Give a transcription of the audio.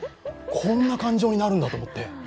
こんな感情になるんだと思って。